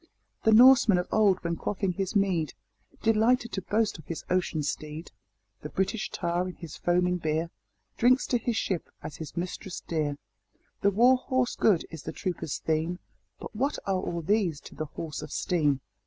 The Norseman of old, when quaffing his mead, Delighted to boast of his "ocean steed;" The British tar, in his foaming beer, Drinks to his ship as his mistress dear. The war horse good is the trooper's theme But what are all these to the horse of steam?